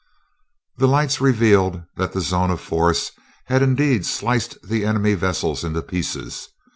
The lights revealed that the zone of force had indeed sliced the enemy vessel into pieces.